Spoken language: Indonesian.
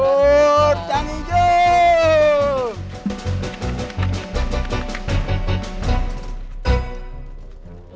burr canggih jauh